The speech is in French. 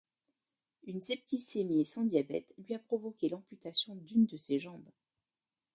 Une septicémie et son diabète lui a provoqué l'amputation d'une de ses jambes.